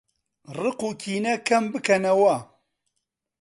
ڕقوکینە کەمبکەنەوە